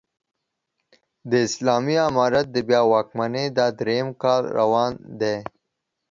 د اسلامي امارت د بيا واکمنۍ دا درېيم کال روان دی